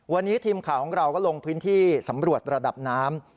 วันนี้ทีมข่าวของเราก็ลงพื้นที่สำรวจระดับน้ำ